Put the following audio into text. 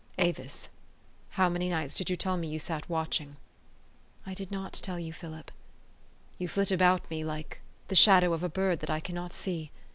"Avis, how many nights did you tell me you sat watching? "" I did not tell you, Philip." "You flit about me like the shadow of a bird that I cannot see.